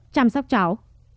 chăm sóc cháu